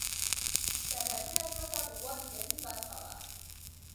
ډبرینه ځمکه پخوا د جهیل برخه وه.